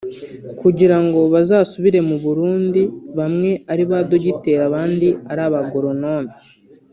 kugira ngo bazasubire mu Burundi bamwe ari abadogiteri abandi ari abagoronome